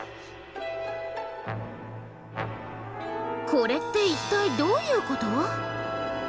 これって一体どういうこと？